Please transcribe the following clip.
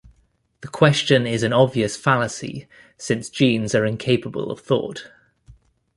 The question is an obvious fallacy since genes are incapable of thought.